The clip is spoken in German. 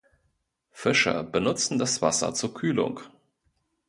Fischer benutzten das Wasser zur Kühlung.